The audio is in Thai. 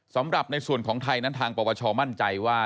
สำหรับในส่วนของไทยทางประพธาชอมั่นใจว่า